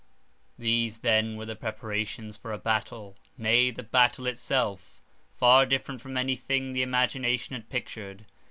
These then were the preparations for a battle, nay, the battle itself; far different from any thing the imagination had pictured.